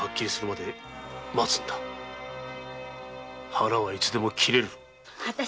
腹はいつでも切れる。